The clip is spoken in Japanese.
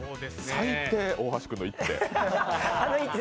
最低、大橋君の一手。